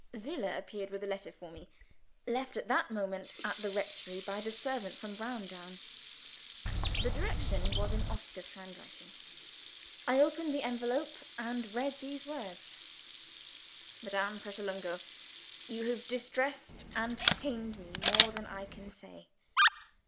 Zillah appeared with a letter for me: left that moment at the rectory by the servant from Browndown. The direction was in Oscar's handwriting. I opened the envelope, and read these words: "MADAME PRATOLUNGO, YOU have distressed and pained me more than I can say.